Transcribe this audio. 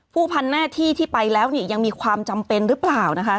ผู้พันหน้าที่ที่ไปแล้วเนี่ยยังมีความจำเป็นหรือเปล่านะคะ